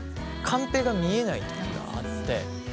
カンペが見えないときがあってたまに。